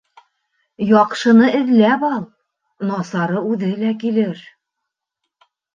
Яҡшыны эҙләп ал, насары үҙе лә килер.